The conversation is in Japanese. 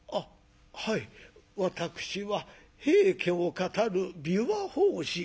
私は『平家』を語る琵琶法師」。